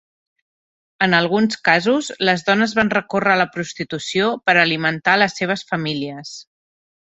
En alguns casos, les dones van recórrer a la prostitució per alimentar les seves famílies.